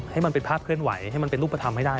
ให้มันเป็นภาพเคลื่อนไหวให้มันเป็นรูปธรรมให้ได้